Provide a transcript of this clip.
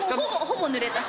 ほぼぬれた。